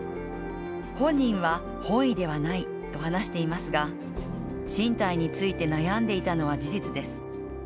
本人は本意ではないと話していますが進退について悩んでいたのは事実です。